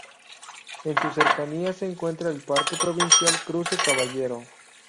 En sus cercanías se encuentra el Parque Provincial Cruce Caballero.